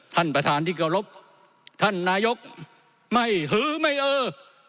ท่านประธานที่เคารพท่านนายกไม่หือไม่เออ